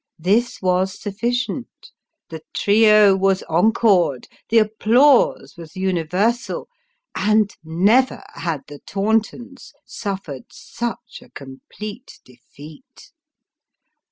This was sufficient ; the trio was encored ; the applause was universal ; and never had the Tauntons suffered such a complete defeat.